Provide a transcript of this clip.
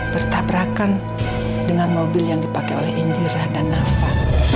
bertabrakan dengan mobil yang dipakai oleh indira dan nafa